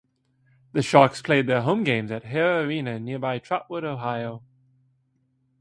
The Sharks played their home games at Hara Arena in nearby Trotwood, Ohio.